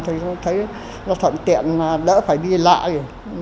thì thấy nó thuận tiện đỡ phải đi lại